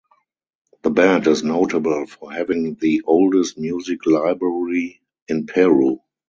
The band is notable for having the oldest music library in Peru.